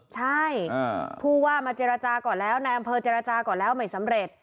ใช่ผู้ว่ามาเจรจาก่อนแล้วนายอำเภอเจรจาก่อนแล้วไม่สำเร็จ